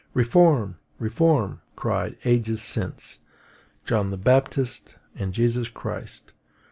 Reform, reform! cried, ages since, John the Baptist and Jesus Christ.